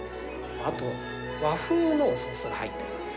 あと、和風のソースが入ってるんです。